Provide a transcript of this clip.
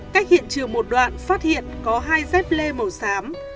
cách hiện trường một đoạn phát hiện có hai dép lê màu xám